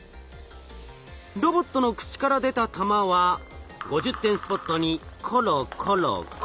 ロボットの口から出た玉は５０点スポットにコロコロコロ。